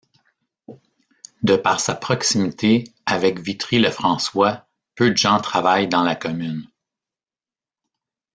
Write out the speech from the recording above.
De par sa proximité avec Vitry-le-François, peu de gens travaillent dans la commune.